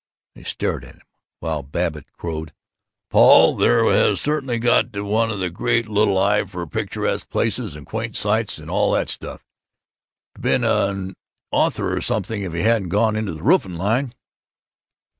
They stared at him, while Babbitt crowed, "Paul there has certainly got one great little eye for picturesque places and quaint sights and all that stuff. 'D of been an author or something if he hadn't gone into the roofing line."